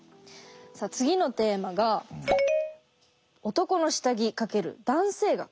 さあ次のテーマが「男の下着×男性学」。